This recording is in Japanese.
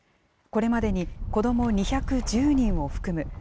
これまでに子ども２１０人を含む